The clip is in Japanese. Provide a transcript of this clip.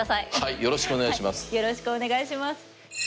よろしくお願いします。